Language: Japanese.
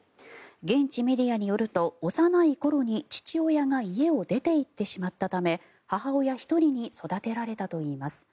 現地メディアによると幼い頃に父親が家を出ていってしまったため母親１人に育てられたといいます。